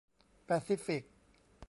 แปซิฟิก